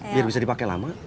biar bisa dipake lama